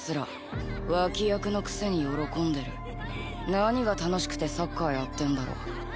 何が楽しくてサッカーやってんだろ？